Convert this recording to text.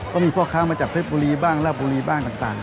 ก็มีพ่อค้ามาจากเพชรบุรีบ้างราบบุรีบ้างต่าง